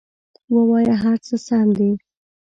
ووایه هر څه سم دي!